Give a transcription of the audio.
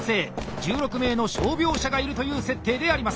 １６名の傷病者がいるという設定であります。